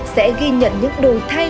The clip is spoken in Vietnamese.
sẽ ghi nhận những đồ thay